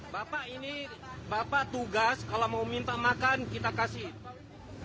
bapak ini bapak tugas kalau mau minta makan kita kasih